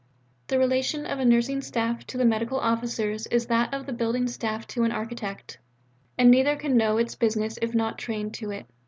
The relation of a nursing staff to the medical officers is that of the building staff to an architect. And neither can know its business if not trained to it.